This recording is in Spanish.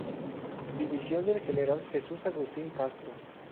División del general Jesús Agustín Castro.